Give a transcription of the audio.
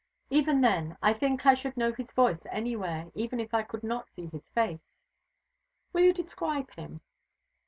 "Even then. I think I should know his voice anywhere, even if I could not see his face." "Will you describe him?"